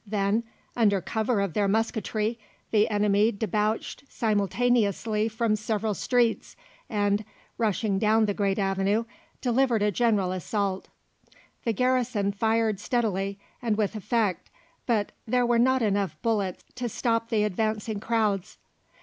Then, under cover of their musketry, the enemy debouched simultaneously from several streets, and, rushing down the great avenue, delivered a general assault. The garrison fired steadily and with effect, but there were not enough bullets to stop the advancing crowds.